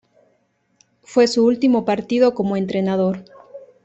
Fue su último partido como entrenador.